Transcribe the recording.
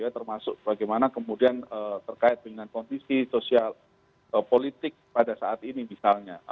termasuk bagaimana kemudian terkait dengan kondisi sosial politik pada saat ini misalnya